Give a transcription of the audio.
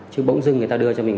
chứ bỗng dưng người ta đưa cho mình